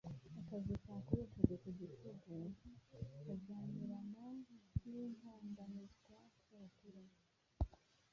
Akazi kakoreshejwe ku gitugu, kajyanirana n'ikandamizwa ry'abaturage